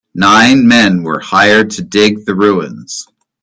Nine men were hired to dig the ruins.